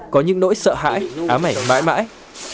có những nỗi sợ hãi ám ảnh mãi mãi